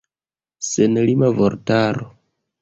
Senlima vortaro.